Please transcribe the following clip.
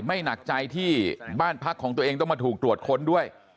หนักใจที่บ้านพักของตัวเองต้องมาถูกตรวจค้นด้วย